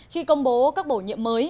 khi công bố các bổ nhiệm mới